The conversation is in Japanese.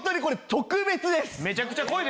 特別です。